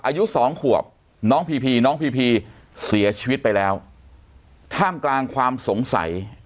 อายุสองขวบน้องพีพีน้องพีพีเสียชีวิตไปแล้วท่ามกลางความสงสัย